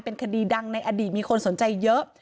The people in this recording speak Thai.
เป็นคดีดังในอดีตมีคนสนใจเยอะ